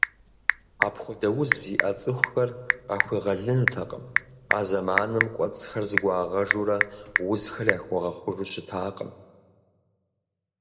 Апхуэдэ уз зиӏэ цӏыхухэр къахуегъэлынутэкъым, а зэманым кӏуэцӏхэр зэгуагъэжурэ узхэр яхуэгъэхъужу щытакъым.